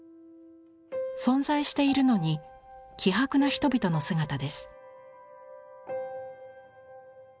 存在しているのに希薄な人々の姿です。